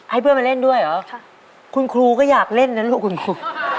ให้เพื่อนมาเล่นด้วยเหรอคุณครูก็อยากเล่นนะลูกคุณครู